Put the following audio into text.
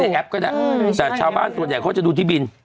มาในแอปก็ได้แต่ชาวบ้านตัวใหญ่เขาก็จะดูที่บิน